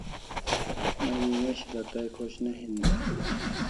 May newishila tay khosh ne hin day